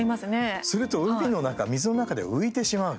すると海の中、水の中では浮いてしまう。